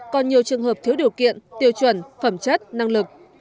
còn nhiều trường hợp thiếu điều kiện tiêu chuẩn phẩm chất năng lực